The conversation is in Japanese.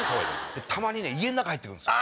たまに家の中入って来るんすよ。